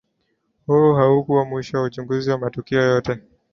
huo haukuwa mwisho wa uchunguzi wa matukio yote